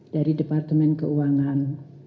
dari departemen keuangan